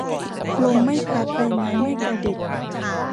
ลมไม่พัด ใบไม้ไม่กระดิก